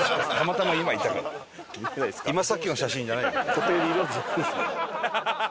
固定でいるわけじゃない？